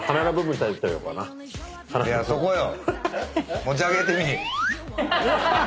いやそこよ。